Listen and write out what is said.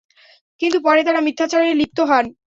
কিন্তু পরে তারা মিথ্যাচারে লিপ্ত হত।